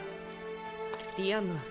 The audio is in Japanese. ディアンヌ。